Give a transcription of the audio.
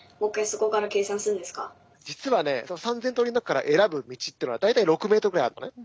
実はね３，０００通りの中から選ぶ道というのは大体６ｍぐらいあるのね。